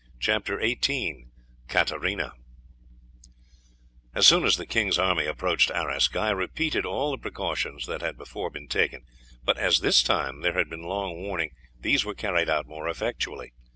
CHAPTER XVIII KATARINA As soon as the king's army approached Arras, Guy repeated all the precautions that had before been taken, but as this time there had been long warning, these were carried out more effectually.